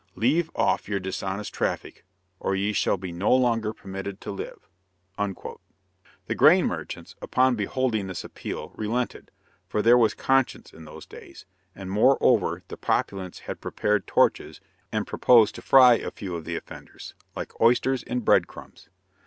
Leave off your dishonest traffic, or ye shall be no longer permitted to live." The grain merchants, upon beholding this appeal, relented, for there was conscience in those days; and, moreover, the populace had prepared torches, and proposed to fry a few of the offenders, like oysters in bread crumbs.